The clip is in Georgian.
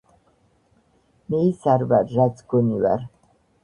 მე ის არ ვარ რაც გონივარ